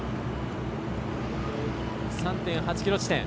３．８ｋｍ地点。